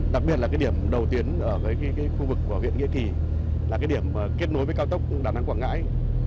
đặc biệt là cái điểm đầu tuyến ở khu vực của huyện nghĩa kỳ là cái điểm kết nối với cao tốc đà nẵng quảng ngãi